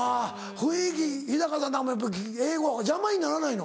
雰囲気日さんなんかもやっぱ英語邪魔にならないの？